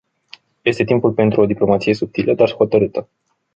Este timpul pentru o diplomație subtilă, dar hotărâtă.